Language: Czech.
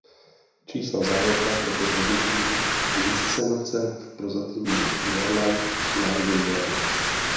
Čísla v závorkách opět rozlišují inscenace v Prozatímním divadle a Národním divadle.